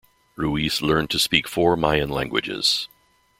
Ruiz learned to speak four Mayan languages.